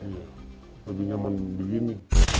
iya lebih nyaman begini